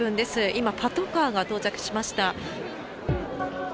今、パトカーが到着しました。